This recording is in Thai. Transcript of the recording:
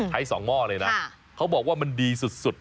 ถ่ายสองหม้อเลยนะค่ะเขาบอกว่ามันดีสุดสุด